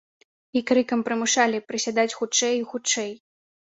І крыкам прымушалі прысядаць хутчэй і хутчэй.